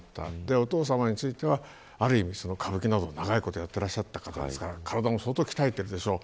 お父さまについては、ある意味歌舞伎などを長いことやっていらっしゃった方ですから体も相当鍛えているでしょう